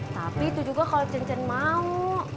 tapi itu juga kalau cen cen mau